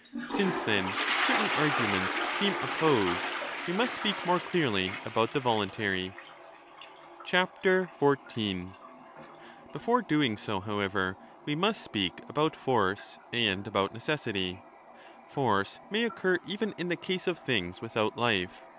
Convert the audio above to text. AR. M.M. D Ii88* MAGNA MORALIA Since, then, certain arguments seem opposed, we must speak more clearly about the voluntary. Before doing so, however, we must speak about force 14 1188^ and about necessity. Force may occur even in the case of things without life.